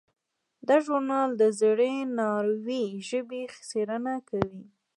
دا ژورنال د زړې ناروېي ژبې څیړنه کوي.